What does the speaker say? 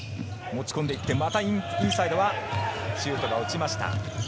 持ち込んでいって、またインサイドはシュートが落ちました。